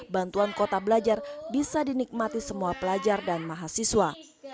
bantuan kuota belajar bisa dinikmati semua pelajar dan mahasiswa